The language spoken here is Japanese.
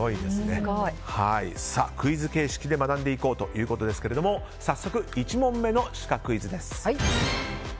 クイズ形式で学んでいこうということですけれども早速、１問目のシカクイズです。